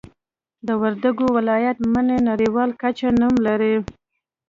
د وردګو ولایت مڼې نړیوال کچه نوم لري